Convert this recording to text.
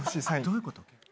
どういうこと？